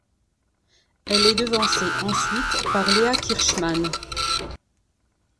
Elle est devancée ensuite par Leah Kirchmann.